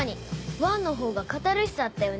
『１』のほうがカタルシスあったよね。